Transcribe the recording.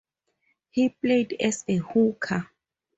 He played as a hooker.